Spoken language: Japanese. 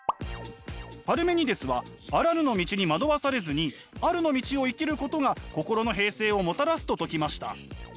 パルメニデスはあらぬの道に惑わされずにあるの道を生きることが心の平静をもたらすと説きました。